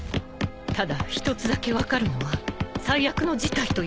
ただ一つだけ分かるのは最悪の事態ということ。